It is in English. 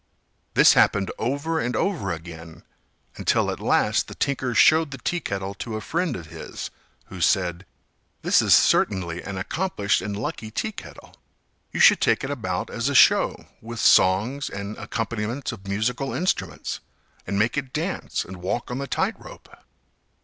This happened over and over again, until at last the tinker showed the teakettle to a friend of his, who said, "This is certainly an accomplished and lucky teakettle—you should take it about as a show, with songs and accompaniments of musical instruments, and make it dance and walk on the tight rope."